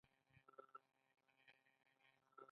د طاقچه خانې د مالګې کان چیرته دی؟